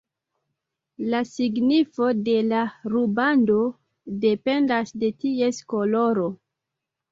La signifo de la rubando dependas de ties koloro.